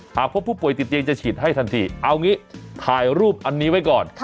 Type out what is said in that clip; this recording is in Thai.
หากพบผู้ป่วยติดเตียงจะฉีดให้ทันทีเอางี้ถ่ายรูปอันนี้ไว้ก่อน